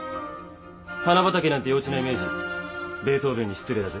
花畑なんて幼稚なイメージベートーヴェンに失礼だぜ。